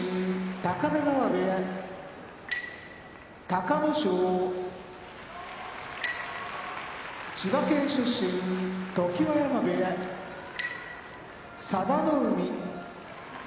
高田川部屋隆の勝千葉県出身常盤山部屋佐田の海